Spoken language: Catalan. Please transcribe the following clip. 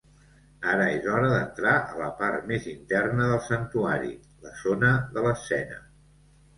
Ara és hora d'entrar a la part més interna del santuari, la zona de l'escena.